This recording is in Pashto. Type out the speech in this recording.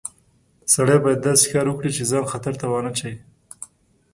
سړی باید داسې کار وکړي چې ځان خطر ته ونه اچوي